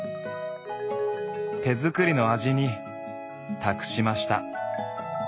手作りの味に託しました。